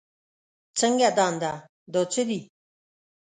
څنګه دنده، دا څه دي؟